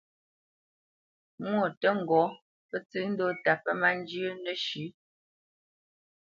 Mwô tə́ ŋgɔ́, pə́ tsə́ ndɔ́ta pə́ má njyə́ nəshʉ̌.